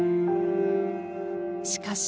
しかし。